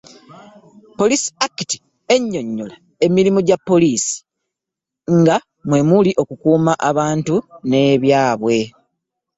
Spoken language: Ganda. Poliisi Act enyonyola emirimu gya poliisi: nga mwemuli okukuuma abantu n’ebyabwe.